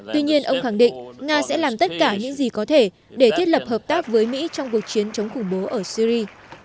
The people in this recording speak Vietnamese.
tuy nhiên ông khẳng định nga sẽ làm tất cả những gì có thể để thiết lập hợp tác với mỹ trong cuộc chiến chống khủng bố ở syri